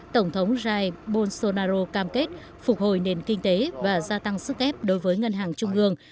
tổng thống jair bolsonaro cam kết phục hồi nền kinh tế và gia tăng sức ép đối với ngân hàng trung ương